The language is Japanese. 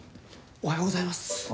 おはようございます。